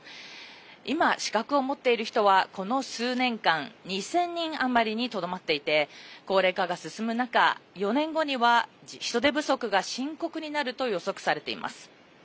今、資格を持っている人はこの数年間２０００人余りにとどまっていて高齢化が進む中、４年後には人手不足が深刻になると予測されています。